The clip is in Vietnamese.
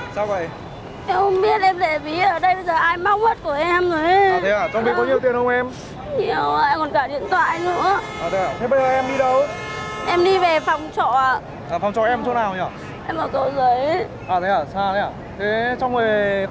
cảm ơn em cảm ơn ạ